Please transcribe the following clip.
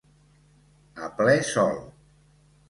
A ple sol.